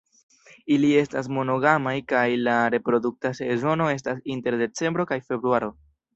Ili estas monogamaj kaj la reprodukta sezono estas inter decembro kaj februaro.